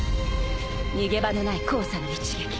逃げ場のない交差の一撃